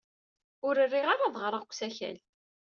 Ur riɣ ara ad ɣreɣ deg usakal.